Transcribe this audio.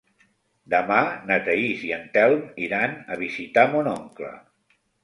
Demà na Thaís i en Telm iran a visitar mon oncle.